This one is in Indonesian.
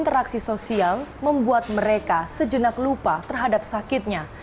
terima kasih sosial membuat mereka sejenak lupa terhadap sakitnya